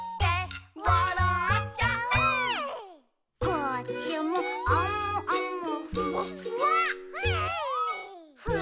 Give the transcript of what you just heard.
「こっちもあむあむふわっふわ」